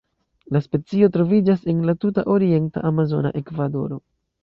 La specio troviĝas en la tuta orienta amazona Ekvadoro.